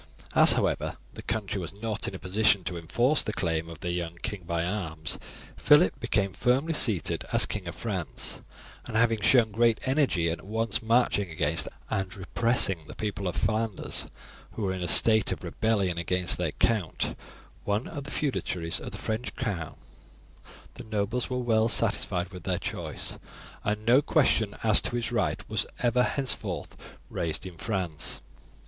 As, however, the country was not in a position to enforce the claim of their young king by arms, Phillip became firmly seated as King of France, and having shown great energy in at once marching against and repressing the people of Flanders, who were in a state of rebellion against their count, one of the feudatories of the French crown, the nobles were well satisfied with their choice, and no question as to his right was ever henceforth raised in France.